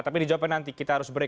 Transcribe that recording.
tapi dijawabkan nanti kita harus break